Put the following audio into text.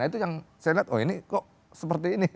itu yang saya liat kok ini seperti ini